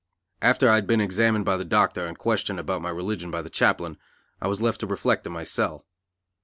After I had been examined by the doctor and questioned about my religion by the chaplain, I was left to reflect in my cell.